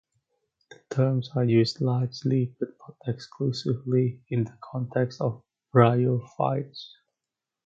The terms are used largely but not exclusively in the context of bryophytes.